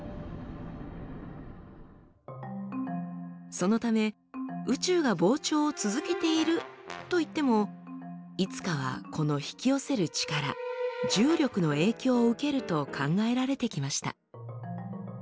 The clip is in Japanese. そのため宇宙が膨張を続けているといってもいつかはこの引き寄せる力重力の影響を受けると考えられてきました。